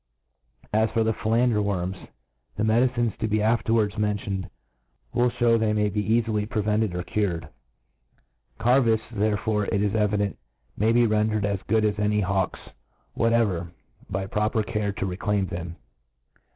As for the filander* Worms^ thetnSdicirtes te> be afterwards mention ed will ftiew they may be eafily prevented, or , cured^ MODERN f AULCONRY 139, cured. Carvifts, therefore, it is evident, may be rendered as good as any . hawks whatever, by proper care to reclaim them.